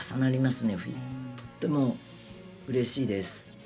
とってもうれしいです。